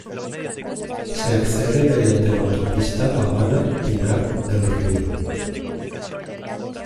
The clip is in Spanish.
Se accede mediante la autopista Habana-Pinar del Río.